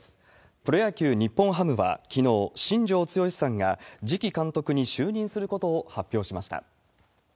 プロ野球・日本ハムはきのう、新庄剛志さんが次期監督に就任することを発表しました。